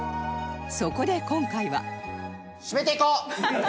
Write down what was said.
そこで今回は